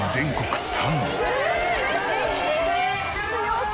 強そう。